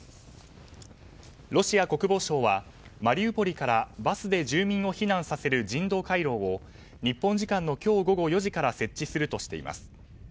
ロシア国防省は、マリウポリからバスで住民を避難させる人道回廊を日本時間の今日午後４時から設置するとしています。